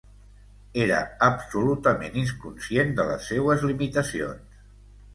Era absolutament inconscient de les seues limitacions.